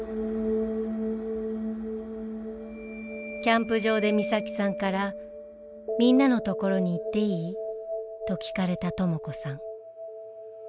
キャンプ場で美咲さんから「みんなのところに行っていい？」と聞かれたとも子さん。